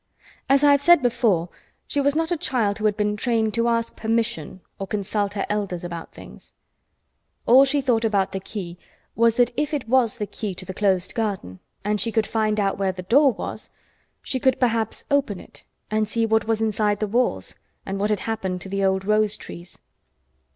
As I have said before, she was not a child who had been trained to ask permission or consult her elders about things. All she thought about the key was that if it was the key to the closed garden, and she could find out where the door was, she could perhaps open it and see what was inside the walls, and what had happened to the old rose trees.